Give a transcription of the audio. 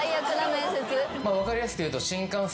分かりやすく言うと。